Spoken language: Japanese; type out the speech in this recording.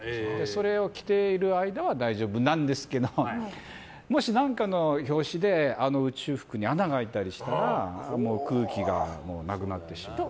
それを着ている間は大丈夫なんですけどもし何かの拍子で宇宙服に穴が開いたりしたらもう空気がなくなってしまう。